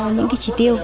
những cái trí tiêu